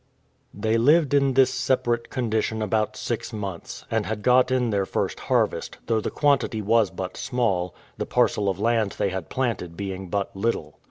They lived in this separate condition about six months, and had got in their first harvest, though the quantity was but small, the parcel of land they had planted being but little.